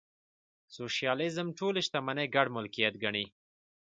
سوشیالیزم ټولې شتمنۍ ګډ ملکیت ګڼي.